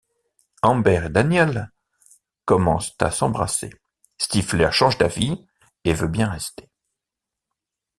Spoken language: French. Amber et Danielle commencent à s'embrasser, Stifler change d'avis et veut bien rester.